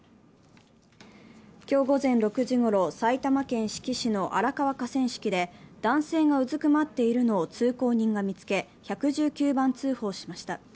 今日午前６時ごろ埼玉県志木市の荒川河川敷で、男性がうずくまっているのを通行人が見つけ１１９番通報しました。